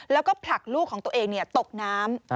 แล้วก็ผลักลูกของตัวเองตกน้ำ